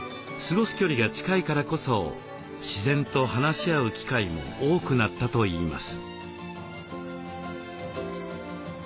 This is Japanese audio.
距離が近いからこそ自然と話し合う機会も多くなったといいます。